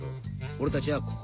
俺たちはここ。